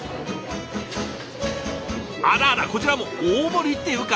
あららこちらも大盛りっていうか